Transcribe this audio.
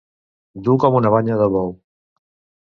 Dur com una banya de bou.